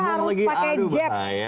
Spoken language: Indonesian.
terus saya ngomong lagi aduh betah ya